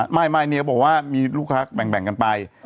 ไม่เหนียวบอกว่ามีลูกค้าแบ่งกันไป